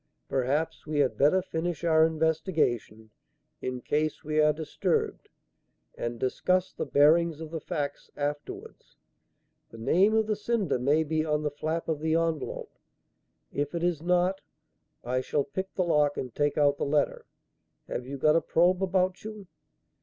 "Perhaps we had better finish our investigation, in case we are disturbed, and discuss the bearings of the facts afterwards. The name of the sender may be on the flap of the envelope. If it is not, I shall pick the lock and take out the letter. Have you got a probe about you?"